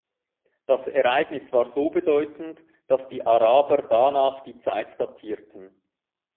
Das Ereignis war so bedeutend, dass die Araber danach die Zeit datierten.